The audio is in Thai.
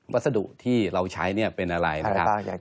วัสดุที่เราใช้เนี่ยเป็นอะไรนะครับ